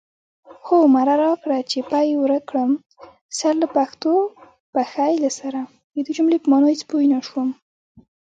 هو مره را کړه چی پی ورک کړم، سرله پښو، پښی له سره